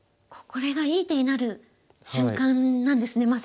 これがいい手になる瞬間なんですね